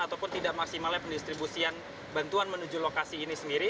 ataupun tidak maksimalnya pendistribusian bantuan menuju lokasi ini sendiri